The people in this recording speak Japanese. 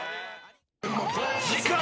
［次回］